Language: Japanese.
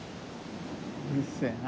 うるせえな。